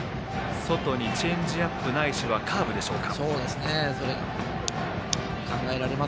外にチェンジアップないしはカーブでしょうか。